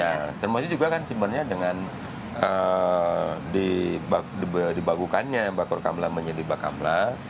ya termasuk juga kan cuman dengan dibagukannya mbak korkamla menjadi mbak kamla